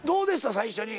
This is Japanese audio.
最初に。